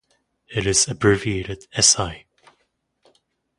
It is abbreviated Sl.